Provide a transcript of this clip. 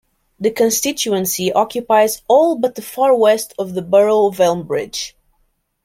The constituency occupies all but the far west of the Borough of Elmbridge.